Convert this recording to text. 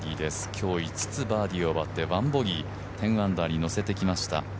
今日５つバーディーを奪って１ボギー１０アンダーに乗せてきました。